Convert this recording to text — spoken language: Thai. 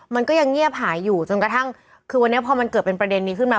มันก็ยังเงียบหายอยู่จนกระทั่งคือวันนี้พอมันเกิดเป็นประเด็นนี้ขึ้นมา